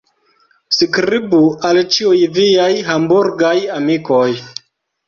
Skribu al ĉiuj viaj Hamburgaj amikoj.